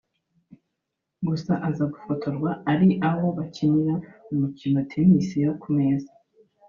gusa aza gufotorwa ari aho bakinira umukino Tennis yo ku meza (Ping Pong)